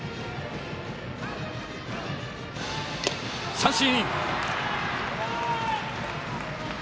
三振。